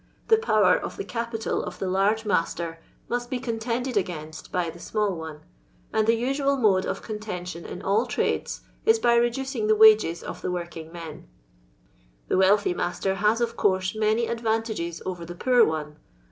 The power of the capital of the " largrt master" must be | contended against by the small one ; and the ' usual mode of contention in all trades is by re ducing the wnges of the working moi^ The wealthy master has, of course, nuiny advantages ; over the poor one.